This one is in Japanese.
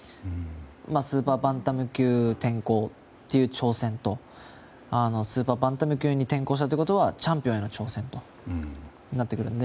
スーパーバンタム級転向という挑戦とスーパーバンタム級に転向したということはチャンピオンへの挑戦となってくるので。